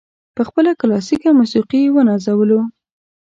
په خپله کلاسیکه موسیقي یې ونازولو.